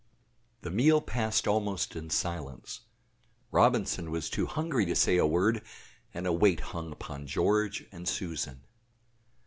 THE meal passed almost in silence; Robinson was too hungry to say a word, and a weight hung upon George and Susan.